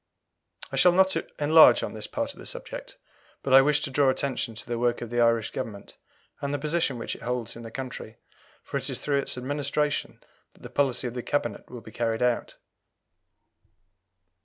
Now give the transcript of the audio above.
I shall not enlarge on this part of the subject, but I wish to draw attention to the working of the Irish Government, and the position which it holds in the country, for it is through its administration that the policy of the Cabinet will be carried out.